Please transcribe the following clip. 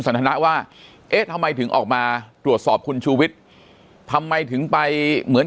สันทนะว่าเอ๊ะทำไมถึงออกมาตรวจสอบคุณชูวิทย์ทำไมถึงไปเหมือน